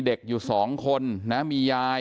เด็กอยู่๒คนนะมียาย